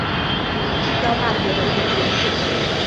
之江大学文学学士。